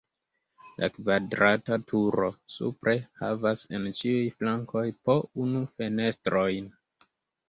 La kvadrata turo supre havas en ĉiuj flankoj po unu fenestrojn.